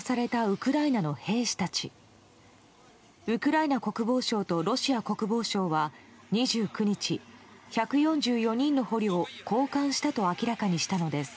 ウクライナ国防省とロシア国防省は、２９日１４４人の捕虜を交換したと明らかにしたのです。